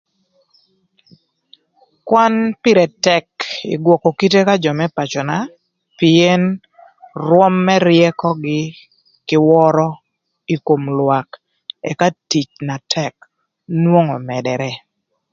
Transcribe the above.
Kwan pïrë tëk pï gwökö kite ka jö më pacöna pïën rwöm më ryëkögï kï wörö ï kom lwak ëka tic na tëk nwongo ömëdërë.